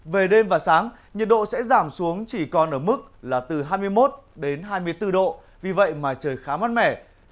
về đêm và sáng nhiệt độ sẽ giảm xuống chỉ còn ở mức là từ hai mươi một đến hai mươi bốn độ vì vậy mà trời khá mát mẻ